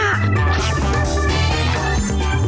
แดงค่ะ